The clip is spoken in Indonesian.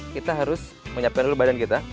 kita harus menyiapkan dulu badan kita